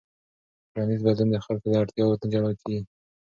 ټولنیز بدلون د خلکو له اړتیاوو نه جلا کېږي.